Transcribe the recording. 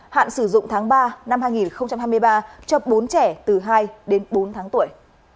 hạn sử dụng tháng ba năm hai nghìn hai mươi ba cho bốn trẻ từ hai đến bốn tháng tuổi